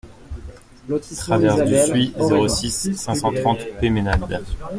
Traverse du Suye, zéro six, cinq cent trente Peymeinade